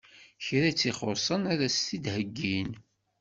Kra tt-ixuṣṣen ad as-t-id-heggin.